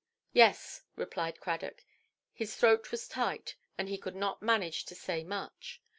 "Yes", replied Cradock. His throat was tight, and he could not manage to say much.